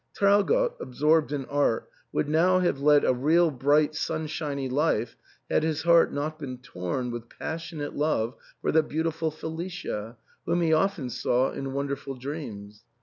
Traugott, absorbed in art, would now have led a real bright sunshiny life, had his heart not been torn with passionate love for the beautiful Felicia, whom he often saw in wonderful dreams.